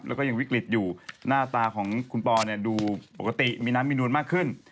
แล้วก็ยังวิกฤตอยู่หน้าตาของคุณปอเนี่ยดูปกติมีน้ำมีนูนมากขึ้น